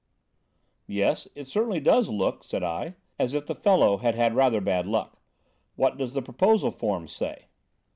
"Yes, it certainly does look," said I, "as if the fellow had had rather bad luck. What does the proposal form say?"